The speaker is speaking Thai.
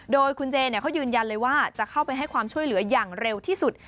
โดยคุณเจเขายืนยันเลยว่าจะเข้าไปให้ความช่วยเหลืออย่างเร็วที่สุด